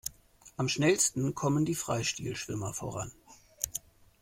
Am schnellsten kommen die Freistil-Schwimmer voran.